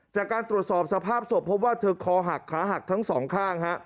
จากการตรวจสอบสภาพศพพบว่าเธอคอหักขาหักทั้งสองข้างฮะ